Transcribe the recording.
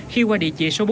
khi qua địa chỉ hà nội